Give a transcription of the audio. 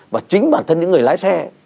và chính bản thân những người lái xe